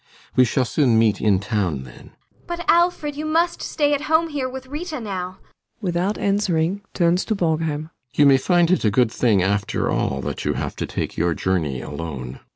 We shall soon meet in town, then. ASTA. [Imploringly.] But, Alfred, you must stay at home here with Rita now. ALLMERS. [Without answering, turns to BORGHEIM.] You may find it a good thing, after all, that you have to take your journey alone.